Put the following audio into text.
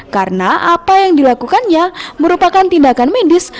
karena apa yang dilakukannya merupakan tindakan mendis